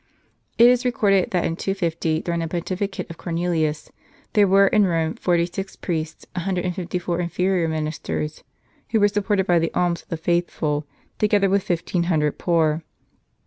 It is recorded, that in 250, during the pontificate of Cornelius, there were in Eome forty six priests, a hundred and fifty four inferior ministers, who were supported by the alms of the faithful, together with fifteen hundred poor.